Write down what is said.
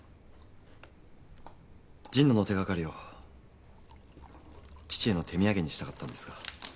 神野の手掛かりを父への手土産にしたかったんですが。